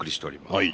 はい。